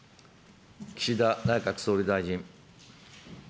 岸田内閣総理大臣。